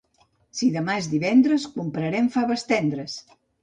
si demà és divendres comprarem faves tendres